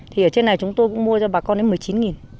thì ở trên này chúng tôi cũng mua cho bà con đến một mươi chín